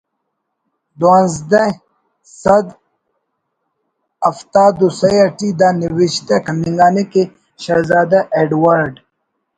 دوانزدہ سد ہفتاد و سہ اٹی دا نوشتہ کننگا نے کہ شہزادہ ایڈ ورڈ